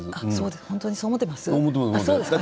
本当にそう思ってます？